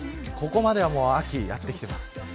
ここまでは秋がやってきています。